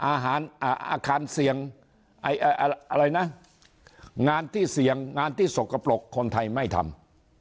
อาคารอาคารเสี่ยงอะไรนะงานที่เสี่ยงงานที่สกปรกคนไทยไม่ทำ